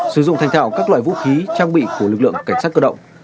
sử dụng thành thảo các loại vũ khí trang bị của lực lượng cảnh sát cơ động